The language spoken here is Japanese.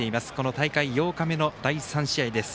大会８日目の第３試合です。